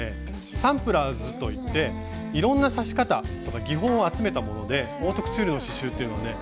サンプラーズといっていろんな刺し方とか技法を集めたものでオートクチュールの刺しゅうっていうのはね